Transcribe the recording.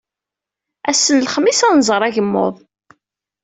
Ass n Lexmis ad nẓer agmuḍ.